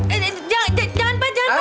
eh jangan jangan pak jangan pak